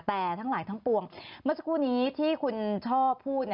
แต่ทั้งหลายถ้างปวงเมื่อกี้ที่คุณชอบพูด